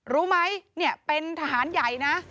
รู้ไหมเนี่ยเป็นทหารใหญ่นะ